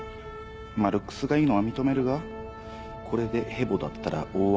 まあルックスがいいのは認めるがこれでヘボだったら大笑いだぞ。